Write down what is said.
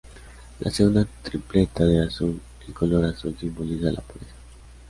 La segunda tripleta de azul el color azul simboliza la pureza.